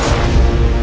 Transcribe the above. aku akan menangkapmu